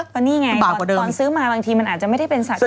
ตอนนี้ไงสอนซื้อมามันอาจจะไม่ใช่ศักดิ์หรอก